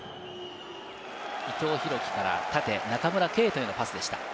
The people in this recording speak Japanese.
伊藤から縦、中村敬斗へのパスでした。